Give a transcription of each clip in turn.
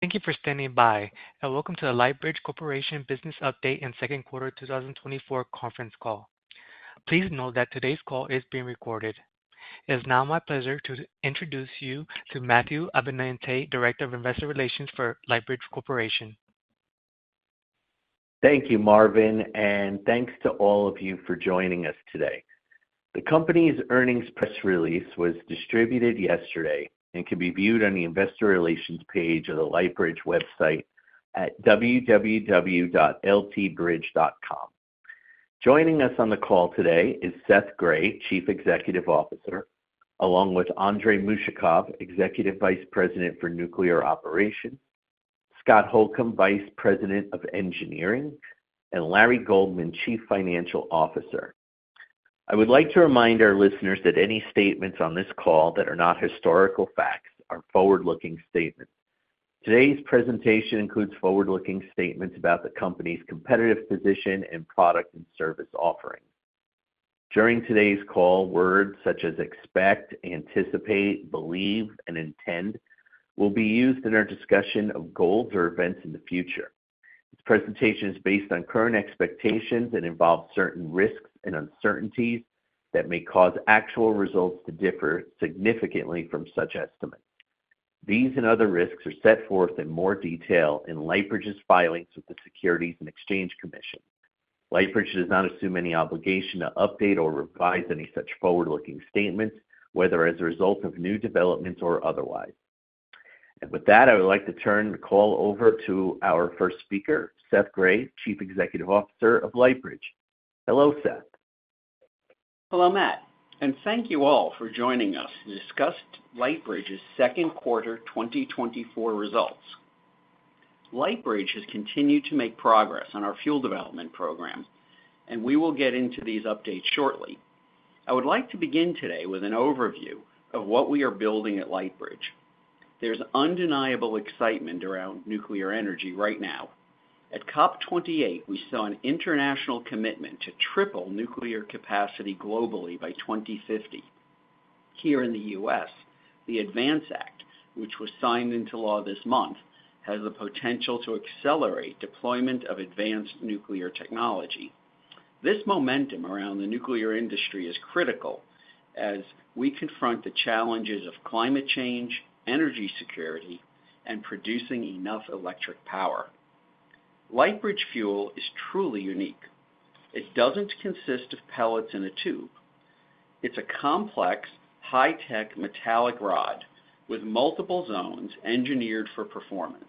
Thank you for standing by, and welcome to the Lightbridge Corporation Business Update and Second Quarter 2024 conference call. Please note that today's call is being recorded. It is now my pleasure to introduce you to Matthew Abenante, Director of Investor Relations for Lightbridge Corporation. Thank you, Marvin, and thanks to all of you for joining us today. The company's earnings press release was distributed yesterday and can be viewed on the investor relations page of the Lightbridge website at www.ltbridge.com. Joining us on the call today is Seth Grae, Chief Executive Officer, along with Andrey Mushakov, Executive Vice President for Nuclear Operations, Scott Holcombe, Vice President of Engineering, and Larry Goldman, Chief Financial Officer. I would like to remind our listeners that any statements on this call that are not historical facts are forward-looking statements. Today's presentation includes forward-looking statements about the company's competitive position and product and service offerings. During today's call, words such as expect, anticipate, believe, and intend will be used in our discussion of goals or events in the future. This presentation is based on current expectations and involves certain risks and uncertainties that may cause actual results to differ significantly from such estimates. These and other risks are set forth in more detail in Lightbridge's filings with the Securities and Exchange Commission. Lightbridge does not assume any obligation to update or revise any such forward-looking statements, whether as a result of new developments or otherwise. With that, I would like to turn the call over to our first speaker, Seth Grae, Chief Executive Officer of Lightbridge. Hello, Seth. Hello, Matt, and thank you all for joining us to discuss Lightbridge's second quarter 2024 results. Lightbridge has continued to make progress on our fuel development program, and we will get into these updates shortly. I would like to begin today with an overview of what we are building at Lightbridge. There's undeniable excitement around nuclear energy right now. At COP28, we saw an international commitment to triple nuclear capacity globally by 2050. Here in the U.S., the ADVANCE Act, which was signed into law this month, has the potential to accelerate deployment of advanced nuclear technology. This momentum around the nuclear industry is critical as we confront the challenges of climate change, energy security, and producing enough electric power. Lightbridge Fuel is truly unique. It doesn't consist of pellets in a tube. It's a complex, high-tech metallic rod with multiple zones engineered for performance.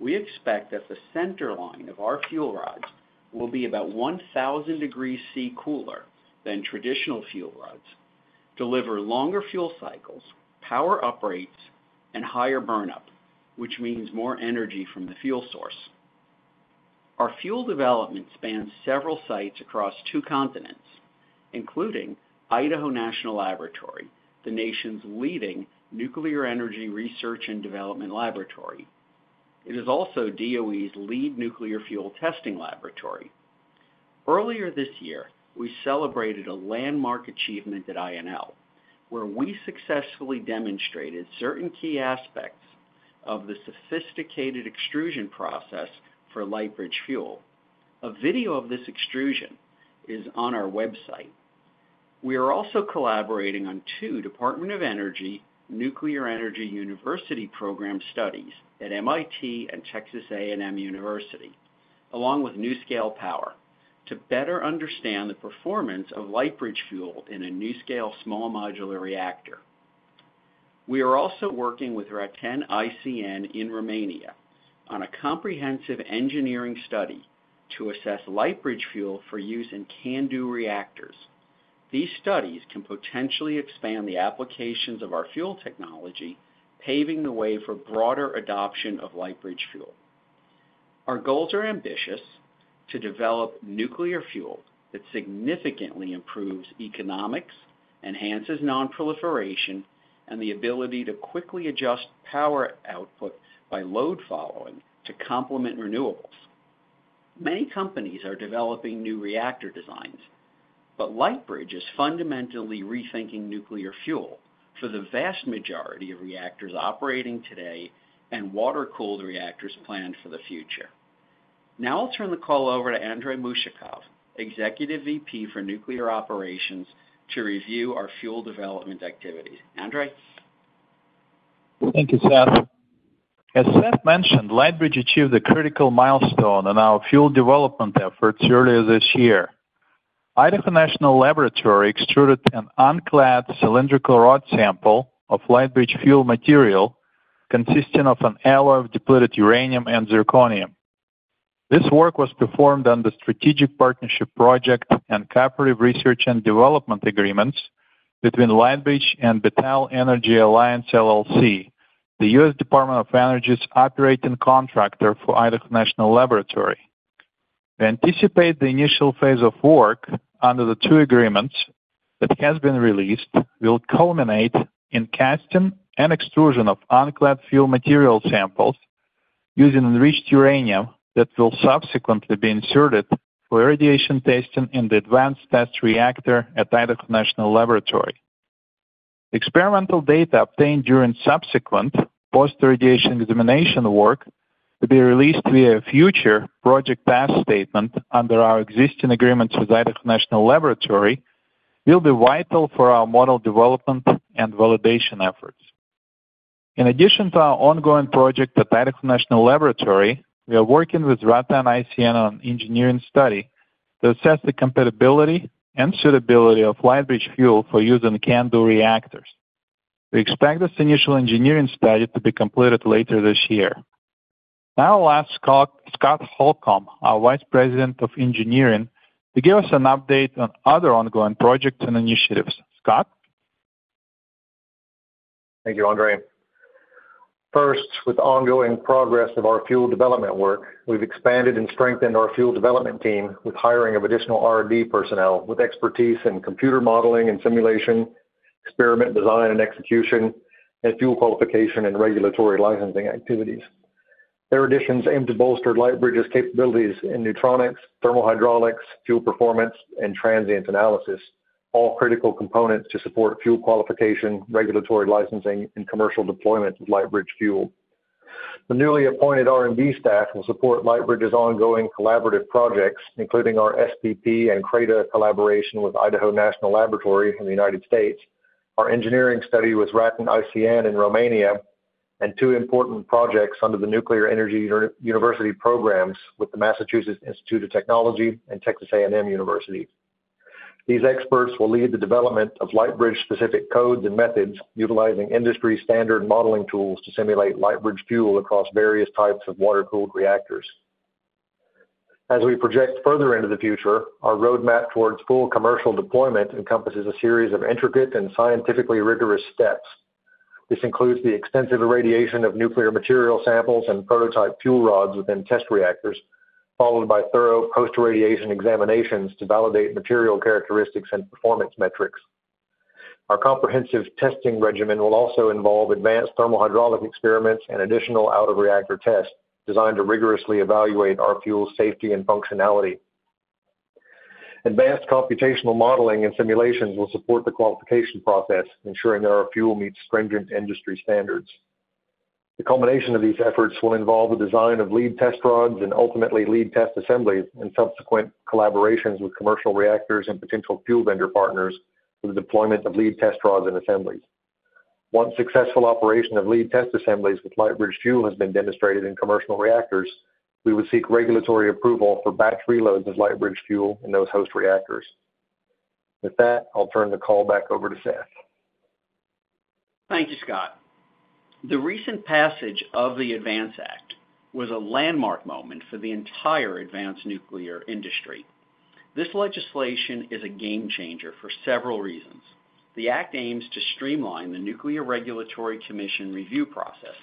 We expect that the centerline of our fuel rods will be about 1,000 degrees Celsius cooler than traditional fuel rods, deliver longer fuel cycles, power uprates, and higher burnup, which means more energy from the fuel source. Our fuel development spans several sites across two continents, including Idaho National Laboratory, the nation's leading nuclear energy research and development laboratory. It is also DOE's lead nuclear fuel testing laboratory. Earlier this year, we celebrated a landmark achievement at INL, where we successfully demonstrated certain key aspects of the sophisticated extrusion process for Lightbridge Fuel. A video of this extrusion is on our website. We are also collaborating on two Department of Energy Nuclear Energy University Program studies at MIT and Texas A&M University, along with NuScale Power, to better understand the performance of Lightbridge Fuel in a NuScale small modular reactor. We are also working with RATEN ICN in Romania on a comprehensive engineering study to assess Lightbridge Fuel for use in CANDU reactors. These studies can potentially expand the applications of our fuel technology, paving the way for broader adoption of Lightbridge Fuel. Our goals are ambitious: to develop nuclear fuel that significantly improves economics, enhances non-proliferation, and the ability to quickly adjust power output by load following to complement renewables. Many companies are developing new reactor designs, but Lightbridge is fundamentally rethinking nuclear fuel for the vast majority of reactors operating today and water-cooled reactors planned for the future. Now I'll turn the call over to Andrey Mushakov, Executive VP for Nuclear Operations, to review our fuel development activities. Andrey? Thank you, Seth. As Seth mentioned, Lightbridge achieved a critical milestone on our fuel development efforts earlier this year. Idaho National Laboratory extruded an unclad cylindrical rod sample of Lightbridge Fuel material consisting of an alloy of depleted uranium and zirconium. This work was performed under Strategic Partnership Project and Cooperative Research and Development Agreements between Lightbridge and Battelle Energy Alliance, LLC, the U.S. Department of Energy's operating contractor for Idaho National Laboratory. We anticipate the initial phase of work under the two agreements that has been released will culminate in casting and extrusion of unclad fuel material samples using enriched uranium that will subsequently be inserted for irradiation testing in the Advanced Test Reactor at Idaho National Laboratory. Experimental data obtained during subsequent post-irradiation examination work will be released via a future Project Task statement under our existing agreement with Idaho National Laboratory. It will be vital for our model development and validation efforts. In addition to our ongoing project at Idaho National Laboratory, we are working with RATEN ICN on engineering study to assess the compatibility and suitability of Lightbridge Fuel for use in CANDU reactors. We expect this initial engineering study to be completed later this year. Now I'll ask Scott, Scott Holcombe, our Vice President of Engineering, to give us an update on other ongoing projects and initiatives. Scott? Thank you, Andrey. First, with ongoing progress of our fuel development work, we've expanded and strengthened our fuel development team with hiring of additional R&D personnel with expertise in computer modeling and simulation, experiment design and execution, and fuel qualification and regulatory licensing activities. Their additions aim to bolster Lightbridge's capabilities in neutronics, thermal hydraulics, fuel performance, and transient analysis, all critical components to support fuel qualification, regulatory licensing, and commercial deployment of Lightbridge Fuel. The newly appointed R&D staff will support Lightbridge's ongoing collaborative projects, including our SPP and CRADA collaboration with Idaho National Laboratory in the United States, our engineering study with RATEN ICN in Romania, and two important projects under the Nuclear Energy University programs with the Massachusetts Institute of Technology and Texas A&M University. These experts will lead the development of Lightbridge-specific codes and methods, utilizing industry-standard modeling tools to simulate Lightbridge Fuel across various types of water-cooled reactors. As we project further into the future, our roadmap towards full commercial deployment encompasses a series of intricate and scientifically rigorous steps. This includes the extensive irradiation of nuclear material samples and prototype fuel rods within test reactors, followed by thorough post-irradiation examinations to validate material characteristics and performance metrics. Our comprehensive testing regimen will also involve advanced thermal hydraulic experiments and additional out-of-reactor tests designed to rigorously evaluate our fuel safety and functionality. Advanced computational modeling and simulations will support the qualification process, ensuring that our fuel meets stringent industry standards. The culmination of these efforts will involve the design of Lead Test Rods and ultimately Lead Test Assemblies, and subsequent collaborations with commercial reactors and potential fuel vendor partners for the deployment of Lead Test Rods and Assemblies. Once successful operation of Lead Test Assemblies with Lightbridge Fuel has been demonstrated in commercial reactors, we would seek regulatory approval for Batch Reloads of Lightbridge Fuel in those host reactors. With that, I'll turn the call back over to Seth. Thank you, Scott. The recent passage of the ADVANCE Act was a landmark moment for the entire advanced nuclear industry. This legislation is a game changer for several reasons. The act aims to streamline the Nuclear Regulatory Commission review process,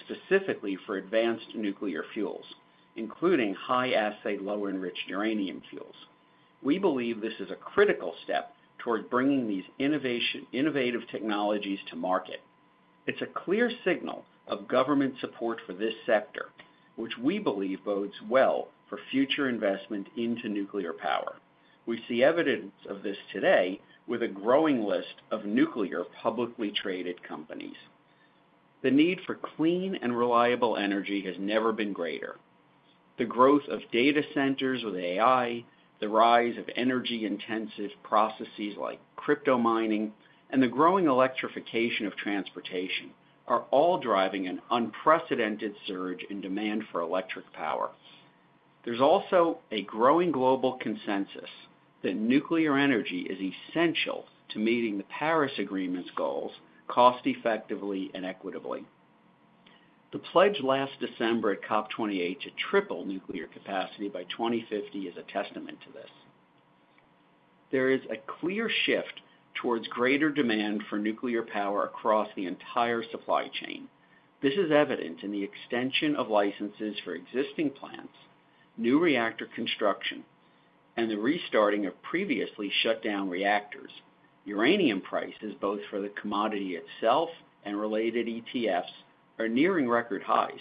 specifically for advanced nuclear fuels, including high-assay, low-enriched uranium fuels. We believe this is a critical step toward bringing these innovative technologies to market. It's a clear signal of government support for this sector, which we believe bodes well for future investment into nuclear power. We see evidence of this today with a growing list of nuclear publicly traded companies. The need for clean and reliable energy has never been greater. The growth of data centers with AI, the rise of energy-intensive processes like crypto mining, and the growing electrification of transportation are all driving an unprecedented surge in demand for electric power. There's also a growing global consensus that nuclear energy is essential to meeting the Paris Agreement's goals cost effectively and equitably. The pledge last December at COP28 to triple nuclear capacity by 2050 is a testament to this. There is a clear shift towards greater demand for nuclear power across the entire supply chain. This is evident in the extension of licenses for existing plants, new reactor construction, and the restarting of previously shut down reactors. Uranium prices, both for the commodity itself and related ETFs, are nearing record highs.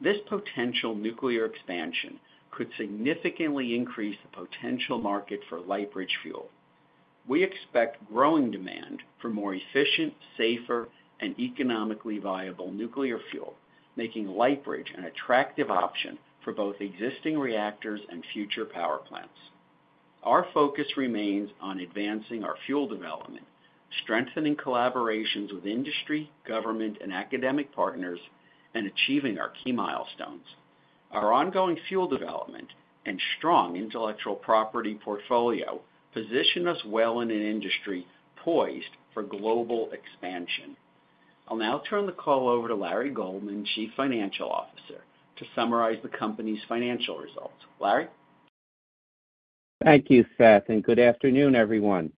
This potential nuclear expansion could significantly increase the potential market for Lightbridge Fuel. We expect growing demand for more efficient, safer, and economically viable nuclear fuel, making Lightbridge an attractive option for both existing reactors and future power plants. Our focus remains on advancing our fuel development, strengthening collaborations with industry, government, and academic partners, and achieving our key milestones. Our ongoing fuel development and strong intellectual property portfolio position us well in an industry poised for global expansion. I'll now turn the call over to Larry Goldman, Chief Financial Officer, to summarize the company's financial results. Larry? Thank you, Seth, and good afternoon, everyone.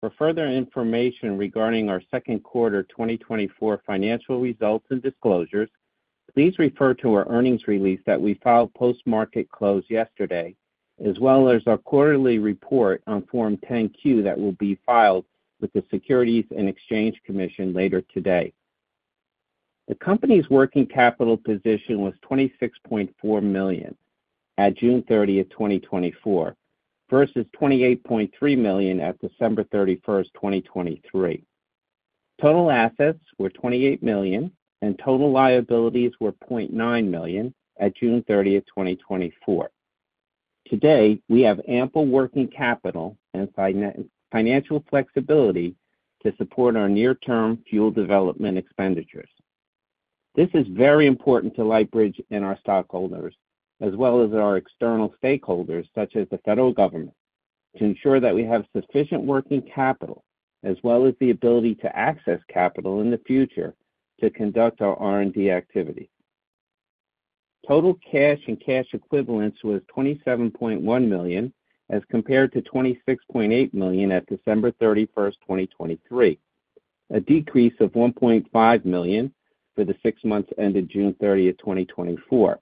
For further information regarding our second quarter 2024 financial results and disclosures, please refer to our earnings release that we filed post-market close yesterday, as well as our quarterly report on Form 10-Q that will be filed with the Securities and Exchange Commission later today. The company's working capital position was $26.4 million at June 30th, 2024, versus $28.3 million at December 31st, 2023. Total assets were $28 million, and total liabilities were $0.9 million at June 30th, 2024. Today, we have ample working capital and financial flexibility to support our near-term fuel development expenditures. This is very important to Lightbridge and our stockholders, as well as our external stakeholders, such as the federal government, to ensure that we have sufficient working capital, as well as the ability to access capital in the future to conduct our R&D activity. Total cash and cash equivalents was $27.1 million, as compared to $26.8 million at December 31st, 2023, a decrease of $1.5 million for the six months ended June 30th, 2024.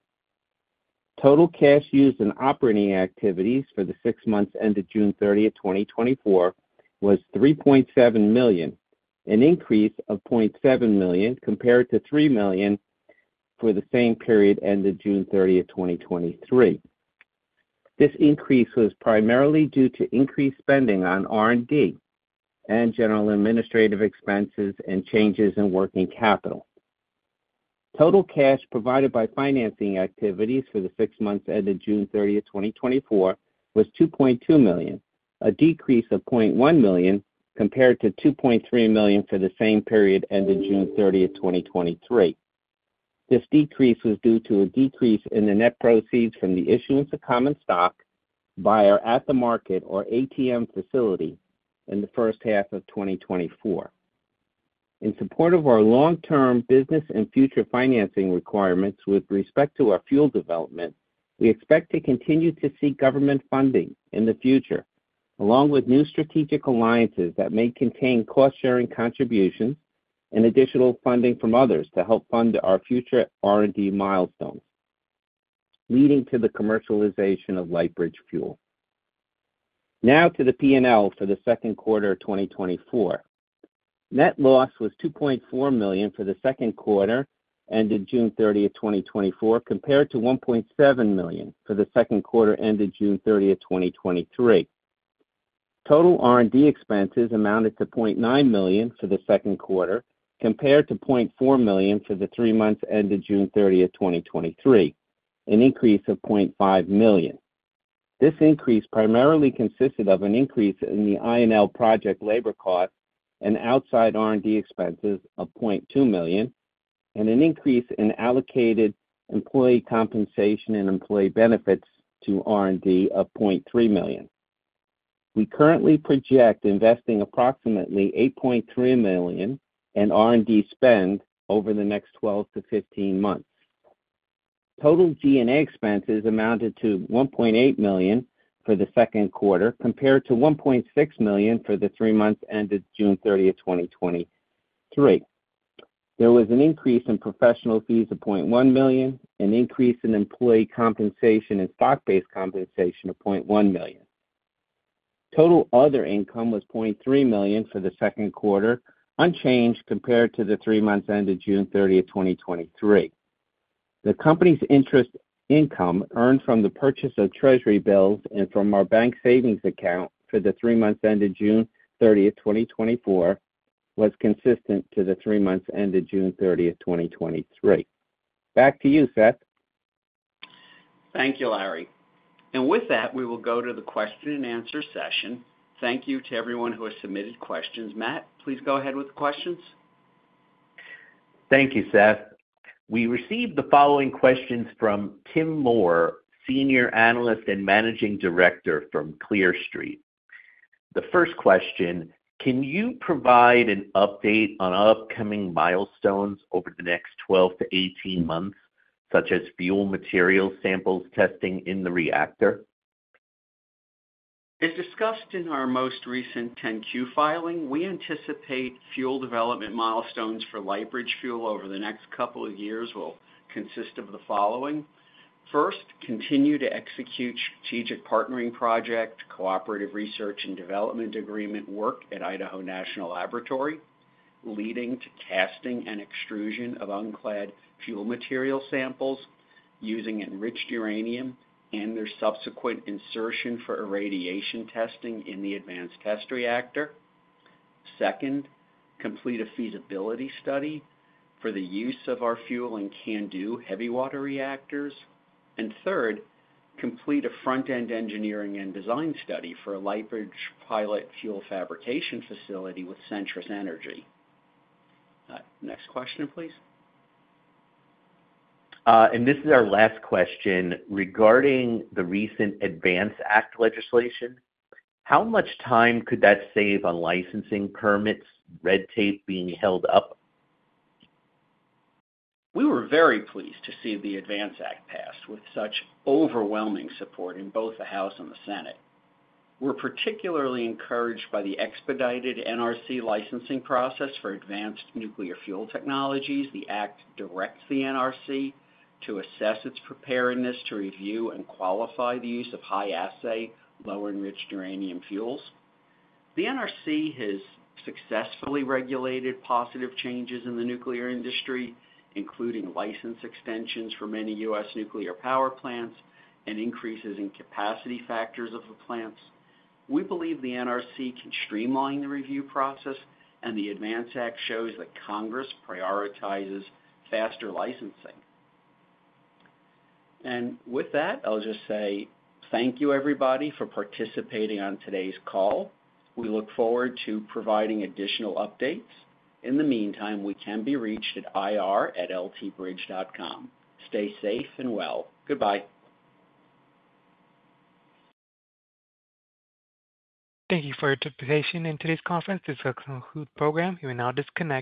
Total cash used in operating activities for the six months ended June 30th, 2024, was $3.7 million, an increase of $0.7 million compared to $3 million for the same period ended June 30th, 2023. This increase was primarily due to increased spending on R&D and general administrative expenses and changes in working capital. Total cash provided by financing activities for the six months ended June 30th, 2024, was $2.2 million, a decrease of $0.1 million compared to $2.3 million for the same period ended June 30th, 2023. This decrease was due to a decrease in the net proceeds from the issuance of common stock by our at-the-market, or ATM facility, in the first half of 2024. In support of our long-term business and future financing requirements with respect to our fuel development, we expect to continue to seek government funding in the future, along with new strategic alliances that may contain cost-sharing contributions and additional funding from others to help fund our future R&D milestones, leading to the commercialization of Lightbridge Fuel. Now to the P&L for the second quarter of 2024. Net loss was $2.4 million for the second quarter ended June 30th, 2024, compared to $1.7 million for the second quarter ended June 30th, 2023. Total R&D expenses amounted to $0.9 million for the second quarter, compared to $0.4 million for the three months ended June 30th, 2023, an increase of $0.5 million. This increase primarily consisted of an increase in the INL project labor cost and outside R&D expenses of $0.2 million, and an increase in allocated employee compensation and employee benefits to R&D of $0.3 million. We currently project investing approximately $8.3 million in R&D spend over the next 12-15 months. Total G&A expenses amounted to $1.8 million for the second quarter, compared to $1.6 million for the three months ended June 30th, 2023. There was an increase in professional fees of $0.1 million, an increase in employee compensation and stock-based compensation of $0.1 million. Total other income was $0.3 million for the second quarter, unchanged compared to the three months ended June 30th, 2023. The company's interest income earned from the purchase of treasury bills and from our bank savings account for the three months ended June 30th, 2024, was consistent to the three months ended June 30th, 2023. Back to you, Seth. Thank you, Larry. With that, we will go to the question-and-answer session. Thank you to everyone who has submitted questions. Matt, please go ahead with the questions. Thank you, Seth. We received the following questions from Tim Moore, Senior Analyst and Managing Director from Clear Street. The first question: Can you provide an update on upcoming milestones over the next 12-18 months, such as fuel material samples testing in the reactor? As discussed in our most recent 10-Q filing, we anticipate fuel development milestones for Lightbridge Fuel over the next couple of years will consist of the following: First, continue to execute Strategic Partnership Project, Cooperative Research and Development Agreement work at Idaho National Laboratory, leading to testing and extrusion of unclad fuel material samples using enriched uranium and their subsequent insertion for irradiation testing in the advanced test reactor. Second, complete a feasibility study for the use of our fuel in CANDU Heavy Water Reactors. And third, complete a front-end engineering and design study for a Lightbridge pilot fuel fabrication facility with Centrus Energy. Next question, please. This is our last question. Regarding the recent ADVANCE Act legislation, how much time could that save on licensing permits, red tape being held up? We were very pleased to see the ADVANCE Act pass with such overwhelming support in both the House and the Senate. We're particularly encouraged by the expedited NRC licensing process for advanced nuclear fuel technologies. The act directs the NRC to assess its preparedness to review and qualify the use of high assay, low-enriched uranium fuels. The NRC has successfully regulated positive changes in the nuclear industry, including license extensions for many U.S. nuclear power plants and increases in capacity factors of the plants. We believe the NRC can streamline the review process, and the ADVANCE Act shows that Congress prioritizes faster licensing. And with that, I'll just say thank you, everybody, for participating on today's call. We look forward to providing additional updates. In the meantime, we can be reached at ir@lightbridge.com. Stay safe and well. Goodbye. Thank you for your participation in today's conference. This concludes program. You may now disconnect.